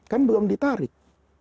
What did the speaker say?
kan belum ditarik